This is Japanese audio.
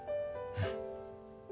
うん！